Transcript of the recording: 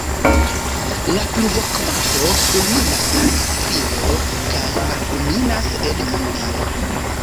La pluvokvanto kulminas en aprilo kaj malkulminas en julio.